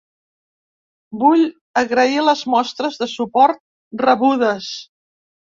Vull agrair les mostres de suport rebudes.